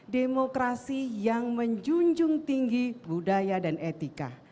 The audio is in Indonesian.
demokrasi yang menjunjung tinggi budaya dan etika